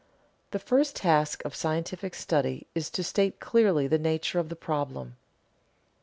The first task of scientific study is to state clearly the nature of the problem.